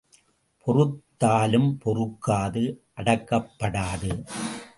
பொறுத்தாலும் பொறுக்காது அடக்கப்படாது.